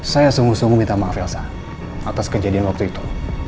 saya sungguh sungguh minta maaf relsa atas kejadian waktu itu